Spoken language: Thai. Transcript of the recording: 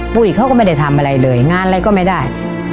ปุ้ยเขาก็ไม่ได้ทำอะไรเลยงานอะไรก็ไม่ได้